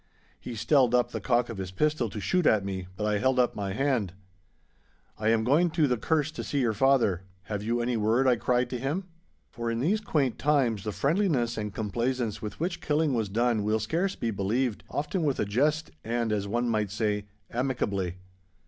He stelled up the cock of his pistol to shoot at me, but I held up my hand. 'I am going to the Kerse to see your father. Have you any word?' I cried to him. For in these quaint times the friendliness and complaisance with which killing was done will scarce be believed—often with a jest, and, as one might say, amicably.